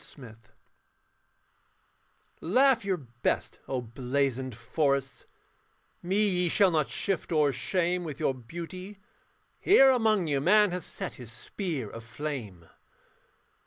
THE LAMP POST Laugh your best, O blazoned forests, Me ye shall not shift or shame With your beauty: here among you Man hath set his spear of flame.